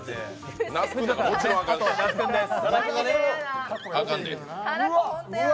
あと那須君です。